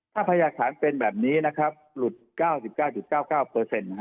ถ้าพยาศาลเป็นแบบนี้นะครับหลุด๙๙๙๙นะครับ